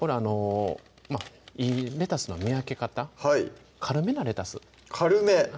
いいレタスの見分け方はい軽めなレタス軽め？